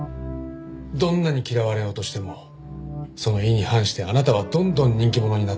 どんなに嫌われようとしてもその意に反してあなたはどんどん人気者になっていった。